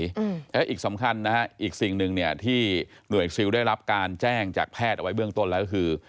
แล้วอีกสำคัญนะฮะอีกสิ่งหนึ่งเนี่ยที่หน่วยซิลได้รับการแจ้งจากแพทย์เอาไว้เบื้องต้นแล้วก็คือ